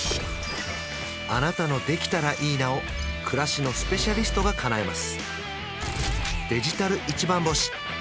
あなたの「できたらいいな」を暮らしのスペシャリストがかなえます